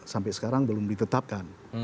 sampai sekarang belum ditetapkan